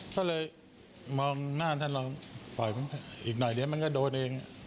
ก็เลยมองหน้าท่านลองปล่อยผมอีกหน่อยเดี๋ยวมันก็โดนเอง